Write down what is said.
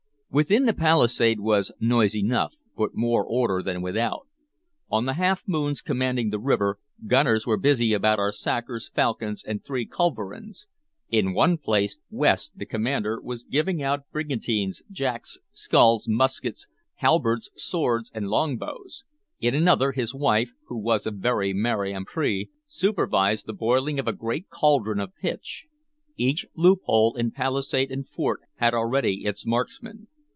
Within the palisade was noise enough, but more order than without. On the half moons commanding the river, gunners were busy about our sakers, falcons, and three culverins. In one place, West, the commander, was giving out brigandines, jacks, skulls, muskets, halberds, swords, and longbows; in another, his wife, who was a very Mary Ambree, supervised the boiling of a great caldron of pitch. Each loophole in palisade and fort had already its marksman.